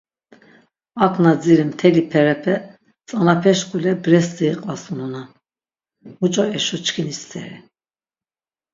Ak na dziri mteli perepe tzanapeş k̆ule bresti iqvasunonan, muç̌o eşo çkini steri.